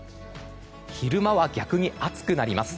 昼間は逆に暑くなります。